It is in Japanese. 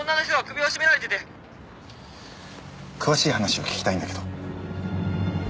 詳しい話を聞きたいんだけど。